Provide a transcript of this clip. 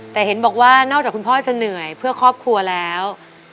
แต่เห็นบอกว่านอกจากคุณพ่อจะเหนื่อยเพื่อครอบครัวแล้ว